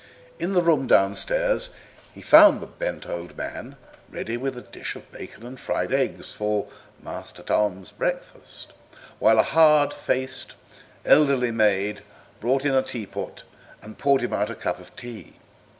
In the room downstairs he found the bent old man ready with a dish of bacon and fried eggs for "Master Tom's" breakfast, while a hard faced elderly maid brought in a teapot and poured him out a cup of tea.